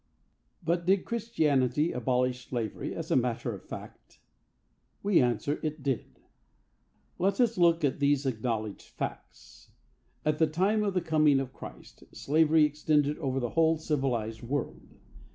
But did Christianity abolish slavery as a matter of fact? We answer, it did. Let us look at these acknowledged facts. At the time of the coming of Christ, slavery extended over the whole civilized world.